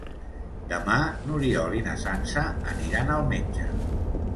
Demà n'Oriol i na Sança aniran al metge.